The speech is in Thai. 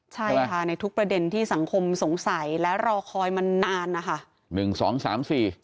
ใช่ค่ะในทุกประเด็นที่สังคมสงสัยและรอคอยมานานนะคะ